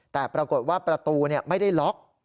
แต่ปรากฏว่าประตูไม่ได้ล็อก